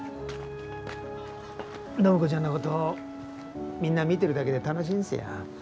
暢子ちゃんのことみんな見てるだけで楽しいんですよ。